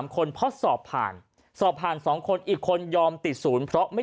คนเพราะสอบผ่านสอบผ่าน๒คนอีกคนยอมติดศูนย์เพราะไม่